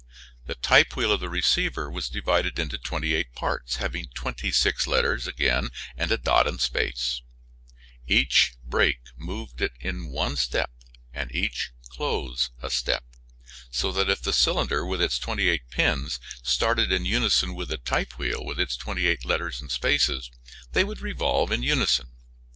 The type wheel of the receiver was divided into twenty eight parts, having twenty six letters and a dot and space, each break moved it one step and each close a step; so that if the cylinder, with its twenty eight pins, started in unison with the type wheel, with its twenty eight letters and spaces, they would revolve in unison.